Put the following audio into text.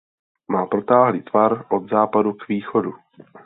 Má protáhlý tvar od západu k východu.